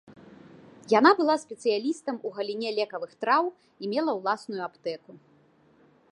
Яна была спецыялістам у галіне лекавых траў і мела ўласную аптэку.